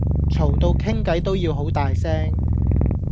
嘈到傾計都要好大聲